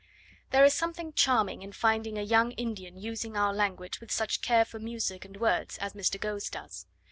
There is something charming in finding a young Indian using our language with such care for music and words as Mr. Ghose does.